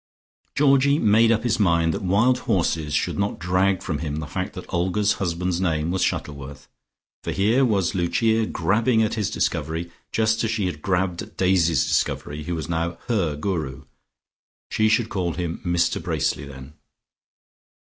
Georgie made up his mind that wild horses should not drag from him the fact that Olga's husband's name was Shuttleworth, for here was Lucia grabbing at his discovery, just as she had grabbed at Daisy's discovery who was now "her Guru." She should call him Mr Bracely then.